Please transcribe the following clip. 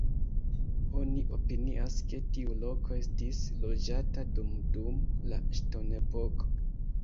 Oni opinias, ke tiu loko estis loĝata jam dum la ŝtonepoko.